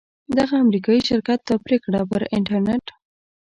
دغه امریکایي شرکت دا پریکړه پر انټرنیټ